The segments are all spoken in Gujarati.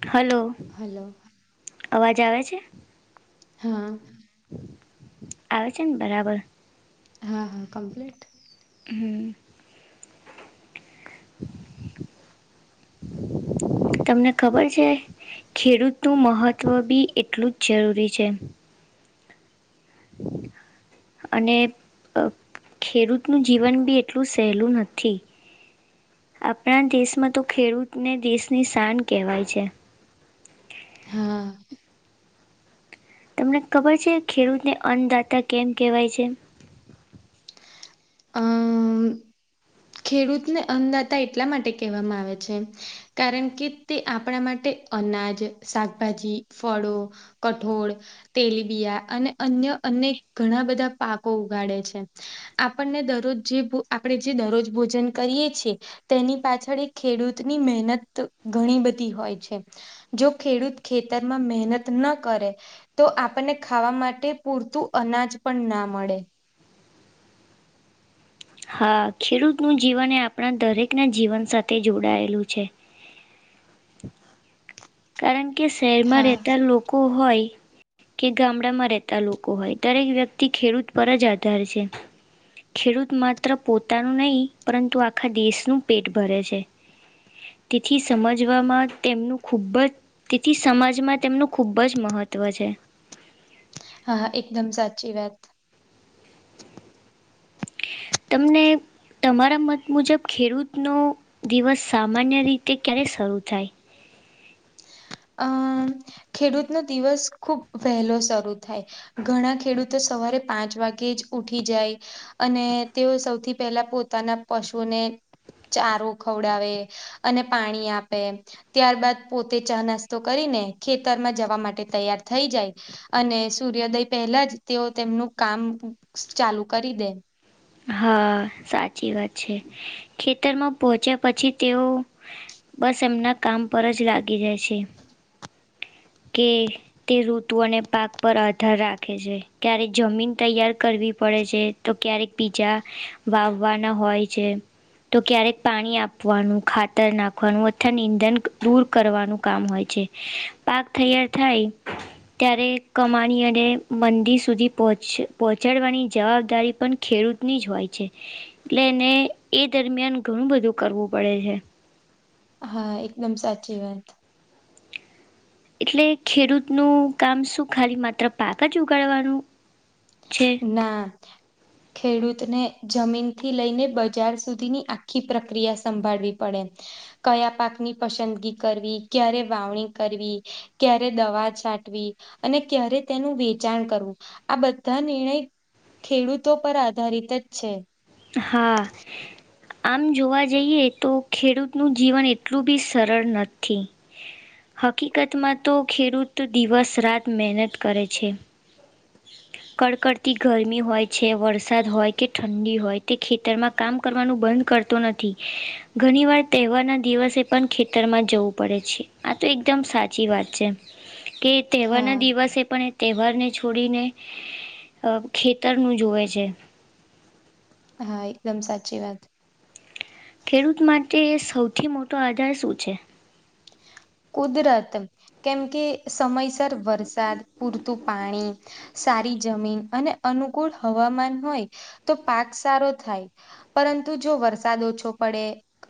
હલો હલો અવાજ આવે છે. હા આવે છેને, બરાબર હા હા કમ્પ્લીટ હમ્મ [unintelligible] તમને ખબર છે ખેડૂતનું મહત્ત્વ બી એટલુ જ જરૂરી છે. અને ખેડૂતનું જીવન બી એટલુ સહેલુ નથી આપણા દેશમાં તો ખેડૂતને દેશની શાન કહેવાય છે. હા તમને ખબર છે, ખેડૂતને અન્નદાતા કેમ કહેવાય છે. અ હમ્મ ખેડૂતને અનદાતા એટલા માટે કહેવામાં આવે છે. કારણ કે તે આપણા માટે અનાજ શાકભાજી ફળો કઠોળ તેલીબિયા અને અન્ય અનેક ઘણા બધા પાકો ઉગાડે છે અપ આપણને દરરોજ જે આપણે જે દરરોજ ભોજન કરીએ છે. તેની પાછળ એક ખેડૂતની મહેનત ઘણી બધી હોય છે. જો ખેડૂત ખેતરમાં મહેનત ના કરે તો આપણને ખાવા માટે પૂરતું અનાજ પણ ના મળે. હા ખેડૂત નું જીવન એ આપણા દરેક ના જીવન સાથે જોડાયેલું છે. કારણ કે શહેરમાં હા રહેતા લોકો હોય. કે ગામડામાં રહેતા લોકો હોય, દરેક વ્યક્તિ ખેડૂત પર જ આધાર છે. ખેડૂત માત્ર પોતાનું નહી, પરંતુ આખા દેશનું પેટ ભરે છે. તેથી સમજવામાં તેમનું ખૂબ જ તેથી સમાજમાં તેમનું ખુબ જ મહત્વ છે. હા એકદમ સાચી વાત. તમને તમારા મત મુજબ ખેડૂતનો દિવસ સામાન્ય રીતે ક્યારે શરૂ થાય. અમ ખેડૂત નો દિવસ ખુબ વહેલો શરૂ થાય ઘણા ખેડૂત તો સવારે પાંચ વાગે જ ઉઠી જાય. અને તેઓ સૌથી પહેલા પોતાના પશુને ચારો ખવડાવે અને પાણી આપે ત્યાર બાદ પોતે ચા નસ તો કરીને ખેતરમાં જવા માટે તૈયાર થઈ જાય. અને સૂર્યોદય પહેલા જ તેઓ તેમનું કામ ચાલુ કરી દે. હા સાચી વાત છે ખેતરમાં પોહોચ્યા પછી તેઓ બસ એમના કામ પર જ લાગી જાય છે કે તે ઋતુઓને પાક પર આધાર રાખે છે ક્યારેક જમીન તૈયાર કરવી પડે છે તો ક્યારેક બીજા વાવવાના હોય છે. તો ક્યારેક પાણી આપવાનું ખાતર નાખવાનું અથવા નીંધન દૂર કરવાનું કામ હોય છે. પાક તૈયાર થાય ત્યારે કમાણી અને મંદી સુધી પહોંચ પહોંચાડવાની જવાબદારી પણ ખેડૂતની જ હોય છે એટલે એને એ દરમિયાન ઘણું બધું કરવું પડે છે. હા એકદમ સાચી વાત. એટલે ખેડૂતનું કામ શું ખાલી માત્ર પાક જ ઉગાડવાનું. છે ના ખેડૂતને જમીન થી લઈને બજાર સુધીની આખી પ્રક્રિયા સંભાળવી પડે. કયા પાકની પસંદગી કરવી ક્યારે વાવણી કરવી. ક્યારે દવા છાંટવી અને ક્યારે તેનું વેચાણ કરવું આ બધા બધા નિર્ણય ખેડૂતો પર આધારિત જ છે. હા. આમ જોવા જઈએ તો ખેડૂતનું જીવન એટલું બી સરળ નથી. હકીકતમાં તો ખેડૂત દિવસ રાત મહેનત કરે છે. કડકડતી ગરમી હોય છે વરસાદ હોય કે ઠંડી હોય. તે ખેતરમાં કામ કરવાનું બંધ કરતો નથી ઘણી વાર તહેવારના દિવસે પણ ખેતરમાં જવું પડે છે આ તો એકદમ સાચી વાત છે કે તહેવારના હા દિવસે પણ એ તહેવારને છોડીને ખેતરનું જોવે છે. હા એકદમ સાચી વાત. ખેડૂત માટે એ સૌથી મોટો આધાર શું છે. કુદરત કેમ કે સમયસર વરસાદ પૂરતું પાણી સારી જમીન અને અનુકૂળ હવામાન હોય તો પાક સારો થાય. પરંતુ જો વરસાદ ઓછો પડે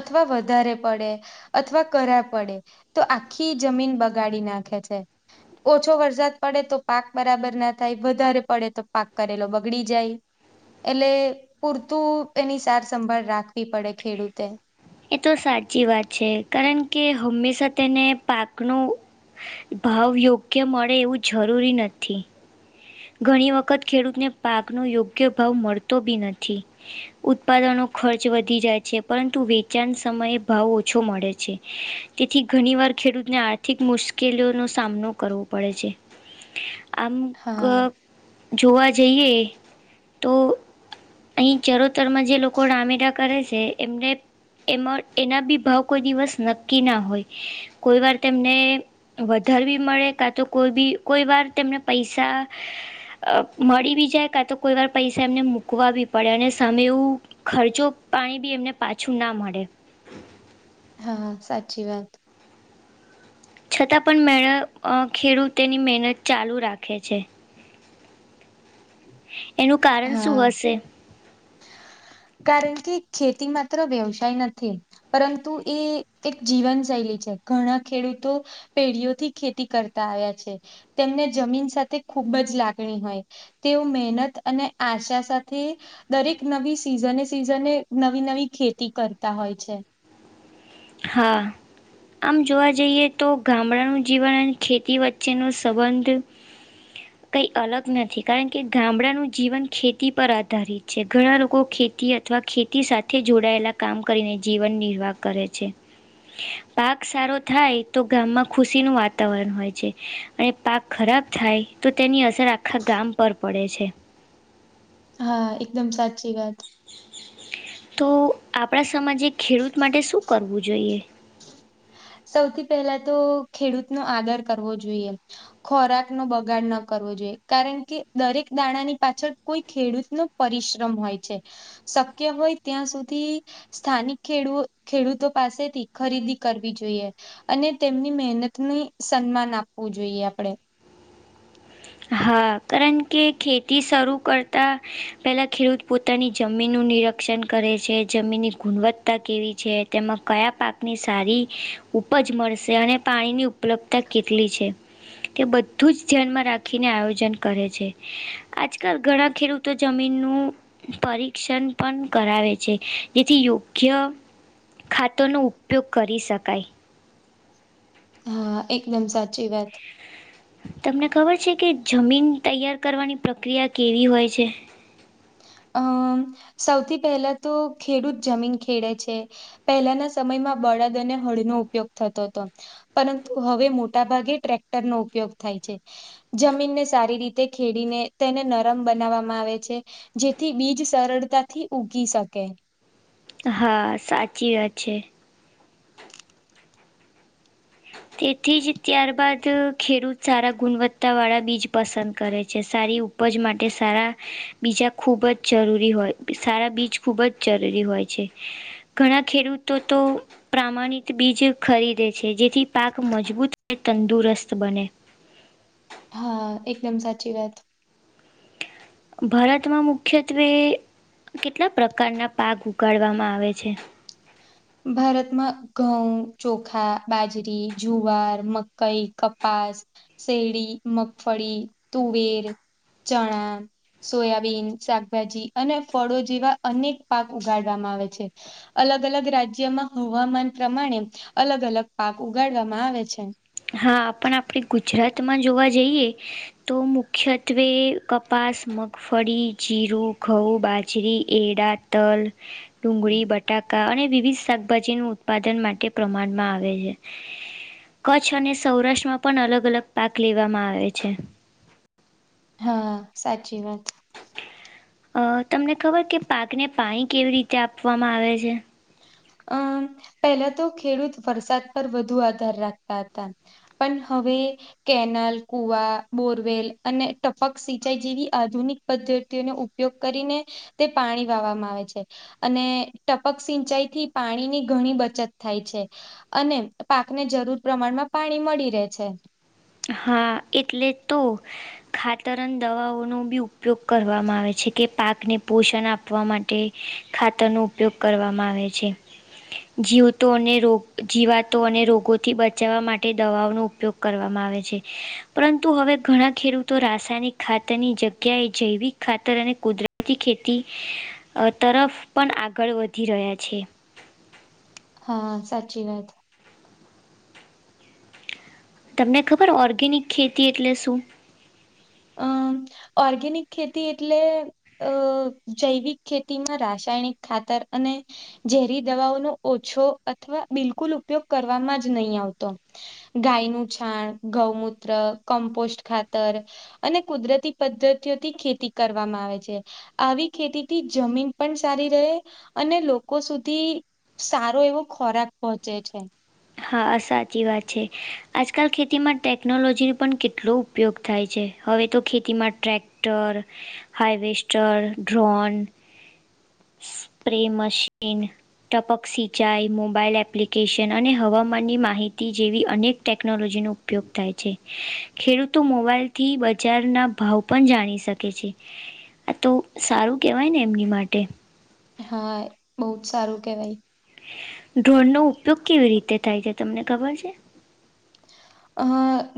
અથવા વધારે પડે અથવા કરાર પડે. તો આખી જમીન બગાડી નાખે છે. ઓછો વરસાદ પડે તો પાક બરાબર ના થાય વધારે પડે તો પાક કરેલો બગડી જાય. એટલે પૂરતું એની સારસંભાળ રાખવી પડે ખેડૂતે. એ તો સાચી વાત છે કારણ કે હંમેશા તેને પાકનું ભાવ યોગ્ય મળે એવું જરૂરી નથી. ઘણી વખત ખેડૂતને પાકનો યોગ્ય ભાવ મળતો બી નથી. ઉત્પાદનો ખર્ચ વધી જાય છે પરંતુ વેચાણ સમયે ભાવ ઓછો મળે છે. તેથી ઘણી વાર ખેડૂતને આર્થિક મુશ્કેલીઓનો સામનો કરવો પડે છે. આમ હા જોવા જઈએ તો અહીં ચરોતર માં જે લોકો રામેડા કરે છે એમને એમાં એના બી ભાવ કોઈ દિવસ નક્કી ના હોય, કોઈ વાર તેમને વધારવી મળે કા તો કોઈ બી કોઈ વાર તેમને પૈસા અ મળી બી જાય કા તો કોઈ વાર પૈસા એમને મૂકવા બી પડે અને સામે એવું ખર્ચો પાણી બી એમને પાછું ના મળે. હા સાચી વાત. છતાં પણ મેળ ખેડૂત તેની મહેનત ચાલુ રાખે છે. એનું કારણ શું હા હશે? કારણ કે ખેતી માત્ર વ્યવસાય નથી. પરંતુ એ એક જીવન શૈલી છે ઘણા ખેડૂતો પેઢીઓથી ખેતી કરતા આવ્યા છે, તેમને જમીન સાથે ખૂબ જ લાગણી હોય. તેઓ મહેનત અને આશા સાથે દરેક નવી સિઝને સિઝને નવી નવી ખેતી કરતા હોય છે. હા. આમ જોવા જઈએ તો ગામડાનું જીવન અને ખેતી વચ્ચેનો સંબંધ થ [inaudible] કંઈ અલગ નથી કારણ કે ગામડાનું જીવન ખેતી પર આધારિત છે ઘણા લોકો ખેતી અથવા ખેતી સાથે જોડાયેલા કામ કરીને જીવન નિર્વાહ કરે છે. પાક સારો થાય તો ગામમાં ખુશી નું વાતાવરણ હોય છે. અને પાક ખરાબ થાય તો તેની અસર આખા ગામ પર પડે છે. હા એકદમ સાચી વાત. તો આપણા સમાજે ખેડૂત માટે શું કરવું જોઈએ? સૌથી પહેલા તો ખેડૂત નો આદર કરવો જોઈએ. ખોરાક નો બગાડ ન કરવો જોઈએ કારણ કે દરેક દાણાની પાછળ કોઈ ખેડૂત ન પરિશ્રમ હોય છે. શક્ય હોય ત્યાં સુધી સ્થાનિક ખડૂ ખેડૂતો પાસેથી ખરીદી કરવી જોઈએ, અને તેમની મહેનત નની સન્માન આપવું જોઈએ આપણે. હા કારણ કે ખેતી શરૂ કરતા પેલા, ખેડૂત પો પોતાની જમીનનું નિરીક્ષણ કરે છે જમીનની ગુણવત્તા કેવી છે તેમાં કયા પાક ની સારી, ઉપજ મળશે અને પાણીની ઉપ ઉપલબ્ધતા કેટલી છે, તે બધું જ ધ્યાનમાં રાખે રાખીને આયોજન કરે છે, આજકાલ ઘણા ખેડૂતો જમીનનું પરીક્ષણ પણ કરાવે છે, જેથી યોગ્ય ખાતોનો ઉપયોગ કરી શકાય. હા એકદમ સાચી વાત. તમને ખબર છે કે જમીન તૈયાર કરવાની પ્રક્રિયા કેવી હોય છે? અમ સૌથી પહેલા તો ખેડૂત જમીન ખેડે છે. પહેલાના સમયમાં બળાદ અને હળનો ઉપયોગ થતો હતો. પરંતુ હવે મોટા ભાગે ટ્રેક્ટર નો ઉપયોગ થાય છે. જમીનને સારી રીતે ખેડીને તેને નરમ બનાવવામાં આવે છે. જેથી બીજ સરળતાથી ઉઊગી શકે. હા સાચી વાયા છે. તેથી જ ત્યારબાદ ખેડૂત સારા ગુણવત્તા વાળા બીજ પસંદ કરે છે સારી ઉપજ માટે સારા બીજા ખૂબ જ જરૂરી હોય સારા બીજ ખૂબ જ જરૂરી હોય છે. ઘણા ખેડૂતો તો પ્રામાણિત બીજ ખરીદે છે જેથી પાક મજબૂત અને તંદુરસ્ત બને. હા એકદમ સાચી વાત. ભારતમાં મુખ્યત્વે કેટલા પ્રકારના પાક ઉગાડવામાં આવે છે. ભારતમાં ઘઉં ચોખા બાજરી જુવાર મકઈ કપાસ શેરડી મગફળી તુવેર ચણા સોયાબીન શાકભાજી અને ફળો જેવા અનેક પાક ઉગાડવામાં આવે છે. અલગ અલગ રાજ્યમાં હવામાન પ્રમાણે અલગ અલગ પાક ઉગાડવામાં આવે છે‌. હા આપ આપણે ગુજરાતમાં જોવા જઈએ તો મુખ્યત્વે કપાસ મગફળી જીરું ઘઉં બાજરી એડા તલ ડુંગળી બટાકા અને વિવિધ શાકભાજીનું ઉત્પાદન માટે પ્રમાણમાં આવે છે. કચ્છ અને સૌરાષ્ટ્રમાં પણ અલગ અલગ પાક લેવામાં આવે છે. હા સાચી વાત. અ તમને ખબર કે પાકને પાણી કેવી રીતે આપવામાં આવે છે. અમ પહેલા તો ખેડૂત વરસાદ પર વધુ આધાર રાખતા હતા પણ હવે કેનાલ કુવા બોરવેલ અને ટપક સિંચાઈ જેવી આધુનિક પદ્ધતિઓનો ઉપયોગ કરીને તે પાણી વાવામાં આવે છે અને ટપક સિંચાઈ થી પાણીની ઘણી બચત થાય છે. અને પાકને જરૂર પ્રમાણમાં પાણી મળી રહે છે. હા એટલે તો ખાતરન દવાઓનો બી ઉપયોગ કરવામાં આવે છે કે પાકને પોષણ આપવા માટે ખાતર નો ઉપયોગ કરવામાં આવે છે. જીવતો અને રો જીવાતો અને રોગોથી બચાવવા માટે દવાઓનો ઉપયોગ કરવ માં આવે છે પરંતુ હવે ઘણા ખેડૂતો રાસાયણિક ખાતરની જગ્યાએ જૈવિક ખાતર અને કુદરતી ખેતી તરફ પણ આગળ વધી રહ્યા છે. હા સાચી વાત. તમને ખબર ઓર્ગેનિક ખેતી એટલે શું. આ ઓર્ગેનિક ખેતી એટલે અ જૈવિક ખેતીમાં રાસાયણિક ખાતર અને ઝેરી દવાઓનો ઓછો અથવા બિલકુલ ઉપયોગ કરવામાં જ નહીં આવતો. ગાય નું છાણ ગૌમૂત્ર કમ્પોસ્ટ ખાતર અને કુદરતી પદ્ધતિઓથી ખેતી કરવામાં આવે છે. આવી ખેતી થી જમીન પણ સારી રહે અને લોકો સુધી સારો એવો ખોરાક પહોંચે છે. હા સાચી વાત છે આજકાલ ખેતીમાં ટેકનોલોજીનું પણ કેટલું ઉપયોગ થાય છે હવે તો ખેતીમાં tractor harvester drone spray machine ટપક સિંચાઈ મોબાઈલ એપ્લિકેશન અને હવામાનની માહિતી જેવી અનેક ટેકનોલોજીનો ઉપયોગ થાય છે ખેડૂતો મોબાઈલ થી બજારના ભાવ પણ જાણી શકે છે. આ તો સારું કેવાય ને એમની માટે. હા બહુ જ સારું કેવાય. ડ્રોન નો ઉપયોગ કેવી રીતે થાય છે તમને ખબર છે. અ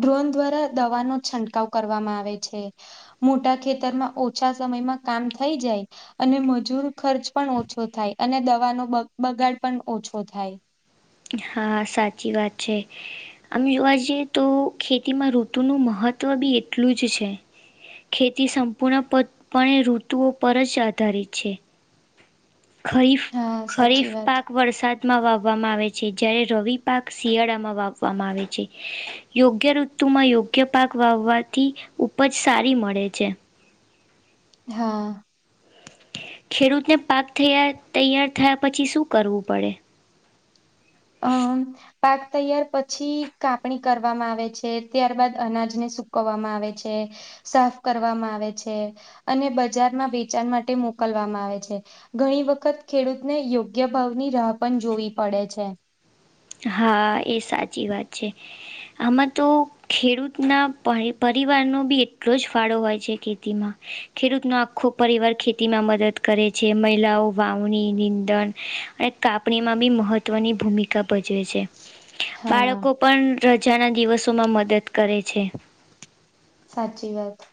ડ્રોન દ્વારા દવાનો છંટકાવ કરવામાં આવે છે. મોટા ખેતરમાં ઓછા સમયમાં કામ થઈ જાય અને મજૂર ખર્ચ પણ ઓછો થાય અને દવાનો બગાડ પણ ઓછો થાય. હા સાચી વાત છે. આમ જોવા જઈએ તો ખેતીમાં ઋતુનું મહત્ત્વ બી એટલું જ છે‌. ખેતી સંપૂર્ણપતપણે ઋતુઓ પર જ આધારિત છે. ખરીફ હા સાચી ખરીફ વાત પાક વરસાદમાં વાવવામાં આવે છે જ્યારે રવિ પાક શિયાળામાં વાવવામાં આવે છે. યોગ્ય ઋતુમાં યોગ્ય પાક વાવવાથી ઉપજ સારી મળે છે. [inaudible] ખેડૂતને પાક થયા તૈયાર થયા પછી શું કવુ પડે આહ પાક તૈયાર પછી કાપણી કરવામાં આવે છે, ત્યારબાદ અનાજને સુકવામાં આવે છે. સાફ કરવામાં આવે છે અને બજારમાં વેચાણ માટે મોકલવામાં આવે છે. ઘણી વખત ખેડૂતને યોગ્ય ભાવની રાહ પણ જોવી પડે છે. હા, એ સાચી વાત છે. આમાં તો ખેડૂતના પરિવારનો બી એટલો જ ફાળો હોય છે ખેતીમા ખેડૂતનો આખો પરિવાર ખેતીમાં મદદ કરે છે મહિલાઓ વાવણી, નીંદણ અને કાપણીમાં બી મહત્વની ભૂમિ કા ભજવે છે હા બાળકો પણ રજાના દિવસોમાં મદદ કરે છે. સાચી વાત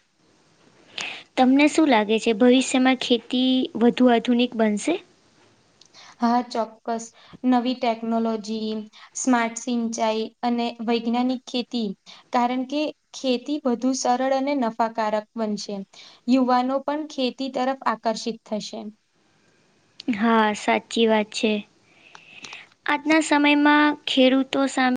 તમને શું લાગે છે, ભવિષ્યમા ખેતી વધુ આધુનિક બનશે હા, ચોક્કસ નવી ટેકનોલોજી, સ્માર્ટ સિંચાઈ અને વૈજ્ઞાનિક ખેતી કારણ કે ખેતી વધુ સરળ અને નફાકારક બનશે યુવાનો પણ ખેતી તરફ આકર્ષિત થશે. હા, સાચી વાત છે. આજના સમયમાં ખેડૂતો સામ